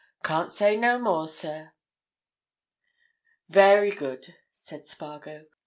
Can't say no more, sir." "Very good," said Spargo.